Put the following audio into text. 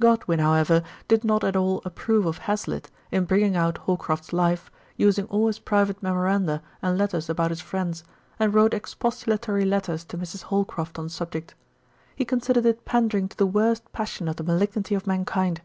3 34 MRS. SHELLEY. Godwin, however, did not at all approve of Hazlitt, in bringing out Holcroft's life, using all his private memoranda and letters about his friends, and wrote expostulatory letters to Mrs. Holcroft on the subject. He considered it pandering to the worst passion of the malignity of mankind.